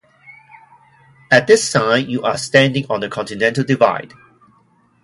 At this sign, you are standing on the Continental Divide.